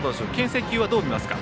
制球はどう見ますか。